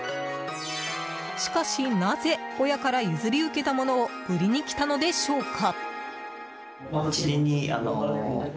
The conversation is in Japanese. しかし、なぜ親から譲り受けたものを売りに来たのでしょうか？